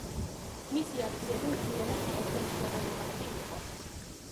მისი აქციები მთლიანად კერძო მფლობელობაში იყო.